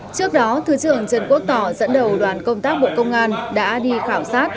trước đó thứ trưởng trần quốc tỏ dẫn đầu đoàn công tác bộ công an đã đi khảo sát